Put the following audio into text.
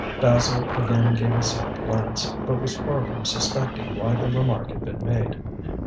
Basil again gave a side glance, but was far from suspecting why the remark had been made.